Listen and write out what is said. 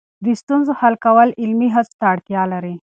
د ستونزو حل کول عملي هڅو ته اړتیا لري.